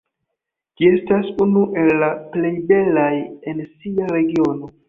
Ĝi estas unu el la plej belaj en sia regiono.